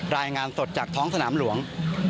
รายงานสดจากท้องสนามหลวง